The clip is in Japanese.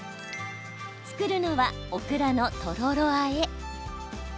作るのは、オクラのとろろあえ。